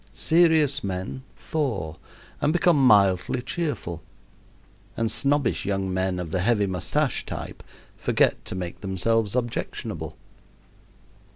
Serious men thaw and become mildly cheerful, and snobbish young men of the heavy mustache type forget to make themselves objectionable.